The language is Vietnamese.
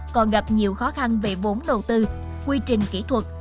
còn gặp nhiều khó khăn về vốn đầu tư quy trình kỹ thuật